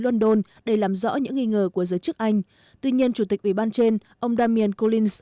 london để làm rõ những nghi ngờ của giới chức anh tuy nhiên chủ tịch ủy ban trên ông damien collins